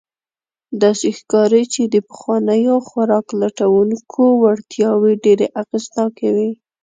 داسې ښکاري، چې د پخوانیو خوراک لټونکو وړتیاوې ډېر اغېزناکې وې.